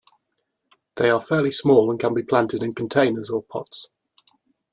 They are fairly small and can be planted in containers or pots.